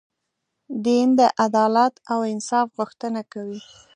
دین د عدالت او انصاف غوښتنه کوي.